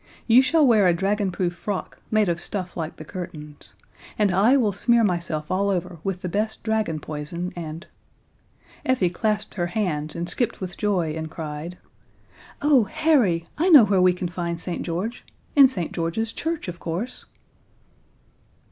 "You shall wear a dragonproof frock, made of stuff like the curtains. And I will smear myself all over with the best dragon poison, and " Effie clasped her hands and skipped with joy and cried: "Oh, Harry! I know where we can find St. George! In St. George's Church, of course."